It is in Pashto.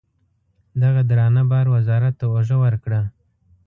دغه درانه بار وزارت ته اوږه ورکړه.